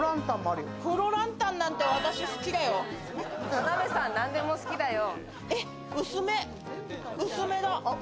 田辺さん、何でも好きだよ。